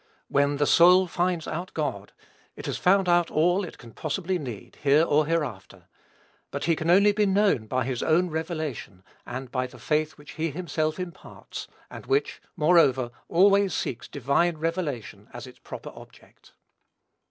When the soul finds out God, it has found out all it can possibly need, here or hereafter; but he can only be known by his own revelation, and by the faith which he himself imparts, and which, moreover, always seeks divine revelation as its proper object.